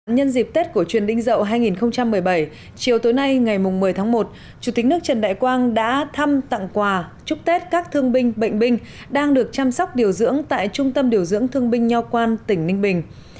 nhân dịp tết cổ truyền đinh dậu hai nghìn một mươi bảy chiều tối nay ngày một mươi tháng một chủ tịch nước trần đại quang đã thăm tặng quà chúc tết các thương binh bệnh binh đang được chăm sóc điều dưỡng tại trung tâm điều dưỡng thương binh nho quan tỉnh ninh bình